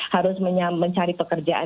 harus mencari pekerjaan